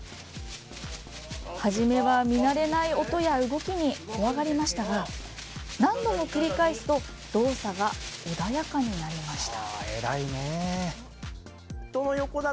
初めは見慣れない音や動きに怖がりましたが何度も繰り返すと動作が穏やかになりました。